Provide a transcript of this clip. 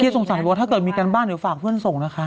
มีคิดสงสันว่าถ้าเกิดมีการบ้านหรือฝากเพื่อนส่งนะคะ